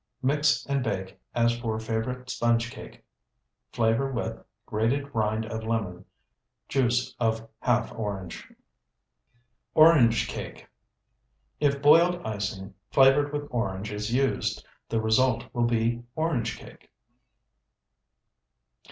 Mix and bake as for Favorite Sponge Cake, flavor with Grated rind of lemon. Juice of ½ orange. ORANGE CAKE If boiled icing flavored with orange is used, the result will be orange cake.